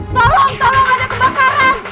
tolong tolong ada kebakaran